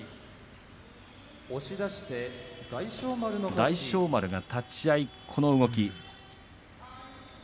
大翔丸の立ち合い、動き。